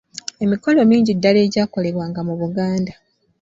Emikolo mingi ddala egyakolebwanga mu Buganda